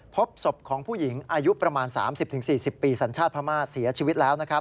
พบศพของผู้หญิงอายุประมาณ๓๐๔๐ปีสัญชาติพม่าเสียชีวิตแล้วนะครับ